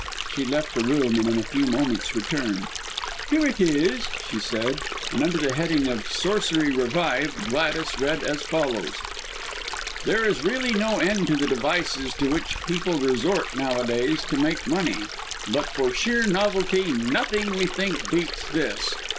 She left the room and in a few moments returned. "Here it is," she said. And under the heading of "Sorcery Revived" Gladys read as follows: "There is really no end to the devices to which people resort nowadays to make money, but for sheer novelty, nothing, we think, beats this.